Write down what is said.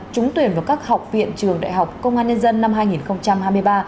trúng tuyển vào các học viện trường đại học công an nhân dân năm hai nghìn hai mươi ba